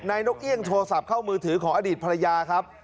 นกเอี่ยงโทรศัพท์เข้ามือถือของอดีตภรรยาครับ